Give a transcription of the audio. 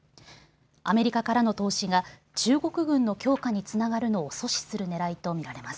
アメリカからの投資が中国軍の強化につながるのを阻止するねらいと見られます。